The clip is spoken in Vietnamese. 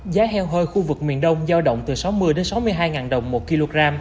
giá heo hơi khu vực miền đông giao động từ sáu mươi sáu mươi hai đồng một kg